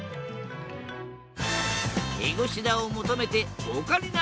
ヘゴシダを求めてオカリナ